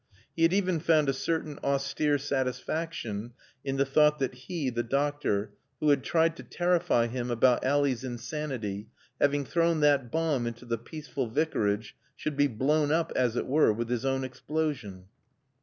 He had even found a certain austere satisfaction in the thought that he, the doctor, who had tried to terrify him about Ally's insanity, having thrown that bomb into the peaceful Vicarage, should be blown up, as it were, with his own explosion.